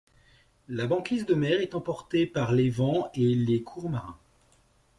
La banquise de mer est emportée par les vents et les courants marins.